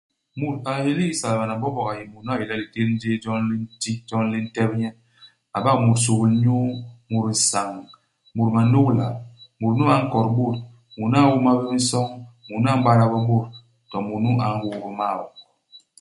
Mut a héli isaybana Mbombog a yé mut nu a yé le litén jéé jon li nti, jon li ntep nye. A bak mut suhul-nyuu, mut nsañ, mut manôgla. Mut nu a nkot bôt. Mut nu a ñôma bé minsoñ. Mut nu a m'bada bé bôt, to mut nu a nhôô bé maok.